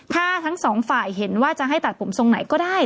ถ้าทั้งสองฝ่ายเห็นว่าจะให้ตัดผมทรงไหนก็ได้